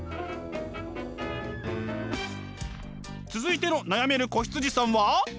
続いての悩める子羊さんは？